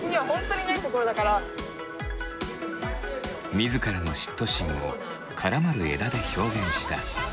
自らの嫉妬心を絡まる枝で表現した。